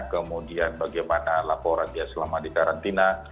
kemudian bagaimana laporan dia selama di karantina